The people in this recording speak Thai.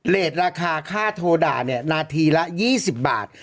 ราคาค่าโทรด่านาทีละ๒๐บาท